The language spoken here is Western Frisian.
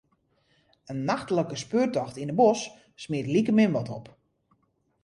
In nachtlike speurtocht yn 'e bosk smiet likemin wat op.